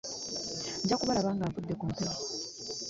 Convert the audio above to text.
Nja kubalaba nga nvudde ku mpewo.